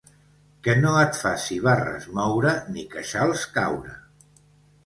Que no et faci barres moure ni queixals caure.